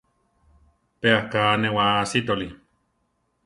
Pe aká newáa asítoli.